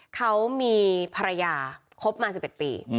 เขามีภรรยาคบมา๑๑ปี